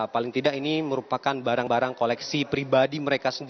paling tidak ini merupakan barang barang koleksi pribadi mereka